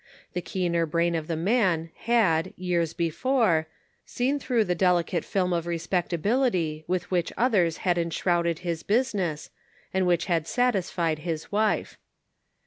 The keener brain of the man had, years before, seen through the deli cate film of respectability with which others had enshrouded his business, and which had satisfied his wife.